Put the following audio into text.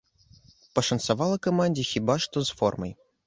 Пашанцавала камандзе хіба што з формай.